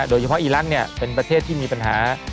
โดยเฉพาะอีลักษณ์เนี่ยเป็นประเทศที่มีปัญหา